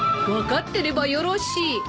分かってればよろしい。